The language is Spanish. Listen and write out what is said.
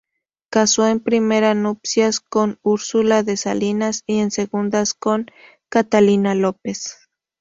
Casó en primera nupcias con Úrsula de Salinas y en segundas con Catalina López.